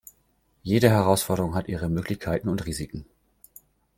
Jede Herausforderung hat ihre Möglichkeiten und Risiken.